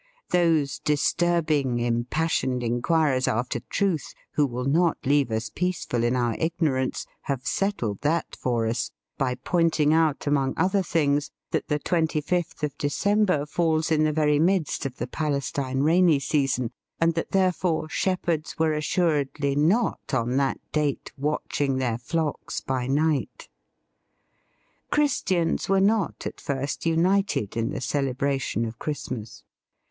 Those disturbing impas sioned inquirers after truth, who will not leave us peaceful in our ignorance, have settled that for us, by pointing out, among other things, that the THE FEAST OF ST FRIEND twenty fifth of December falls in the very midst of the Palestine rainy sea son, and that, therefore, shepherds were assuredly not on that date watching their flocks by night. ♦ Christians were not, at first, united in the celebration of Christmas.